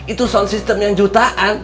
itu sound system yang jutaan